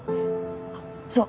あっそう！